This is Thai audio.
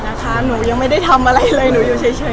หนูอยู่เฉยจริง